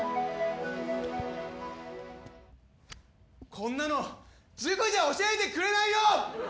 こんなの塾じゃ教えてくれないよ！